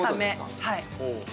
はい。